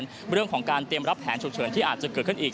เรื่องของการเตรียมรับแผนฉุกเฉินที่อาจจะเกิดขึ้นอีก